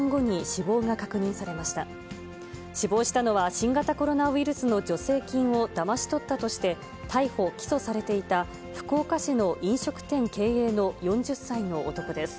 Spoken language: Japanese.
死亡したのは、新型コロナウイルスの助成金をだまし取ったとして、逮捕・起訴されていた福岡市の飲食店経営の４０歳の男です。